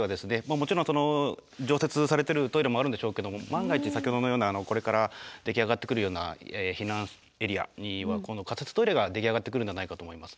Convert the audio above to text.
もちろん常設されてるトイレもあるんでしょうけども万が一先ほどのようなこれから出来上がってくるような避難エリアにはこの仮設トイレが出来上がってくるんじゃないかと思います。